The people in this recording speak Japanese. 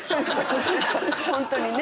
ホントにね。